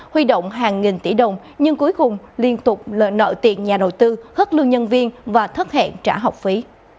huy động hàng nghìn tỷ đồng nhưng cuối cùng liên tục lợi nợ tiền nhà đầu tư hất lương nhân viên và thất hẹn trả học phí